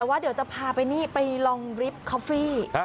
แต่ว่าเดี๋ยวจะพาไปนี่ไปลองริฟทคอฟฟี่